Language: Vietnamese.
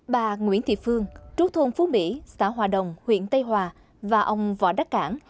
bà nguyễn thị phương trú thôn phú mỹ xã hòa đồng huyện tây hòa và ông võ đắc cảng